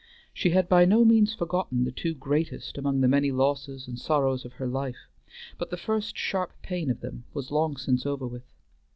She had by no means forgotten the two greatest among the many losses and sorrows of her life, but the first sharp pain of them was long since over with.